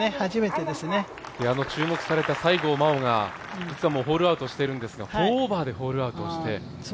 注目された西郷真央がホールアウトしてるんですが、４オーバーでホールアウトして。